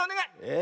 え？